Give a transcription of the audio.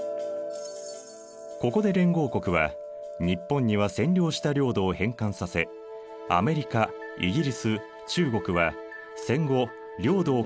ここで連合国は日本には占領した領土を返還させアメリカイギリス中国は戦後領土を拡大しないと宣言した。